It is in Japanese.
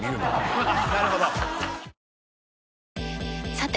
さて！